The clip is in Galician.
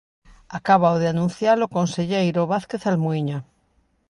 Acábao de anunciar o conselleiro Vázquez Almuíña.